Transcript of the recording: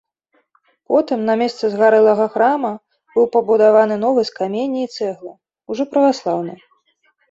Потым на месцы згарэлага храма быў пабудаваны новы з камення і цэглы, ужо праваслаўны.